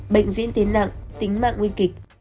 bệnh diễn tiến nặng tính mạng nguy kịch